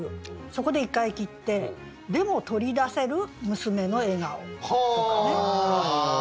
そこで一回切って「でも取り出せる娘の笑顔」とかね。